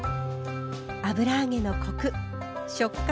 油揚げのコク食感